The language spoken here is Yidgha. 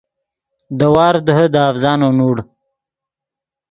دے وارڤ دیہے دے اڤزانو نوڑ